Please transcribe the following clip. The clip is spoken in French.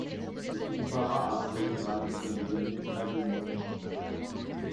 Il se compara à un général qui vient de gagner à demi une grande bataille.